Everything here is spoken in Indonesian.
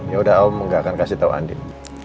yaudah om gak akan kasih tahu andien